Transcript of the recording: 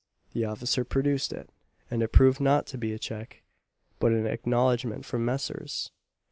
The officer produced it, and it proved not to be a cheque, but an acknowledgment from Messrs.